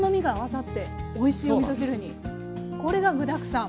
これが具だくさん。